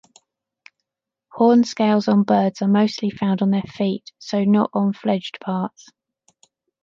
Horn scales on birds are mostly found on their feet, so not on fledged parts.